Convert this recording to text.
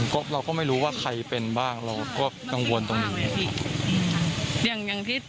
ถ้าไม่เป็นอย่างนี้เราอาจจะแพ่ให้คนอื่นก็ได้